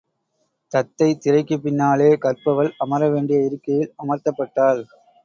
தத்தை, திரைக்குப் பின்னாலே கற்பவள் அமர வேண்டிய இருக்கையில் அமர்த்தப்பட்டாள்.